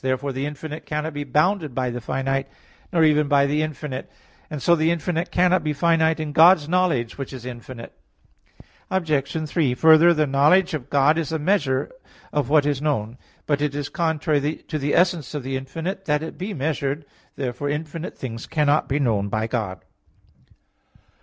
Therefore the infinite cannot be bounded by the finite, nor even by the infinite; and so the infinite cannot be finite in God's knowledge, which is infinite. Obj. 3: Further, the knowledge of God is the measure of what is known. But it is contrary to the essence of the infinite that it be measured. Therefore infinite things cannot be known by God.